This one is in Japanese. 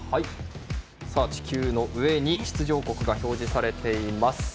地球の上に出場国が表示されています。